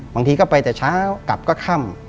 บางทีก็ไปแต่เช้ากลับก็ค่ำ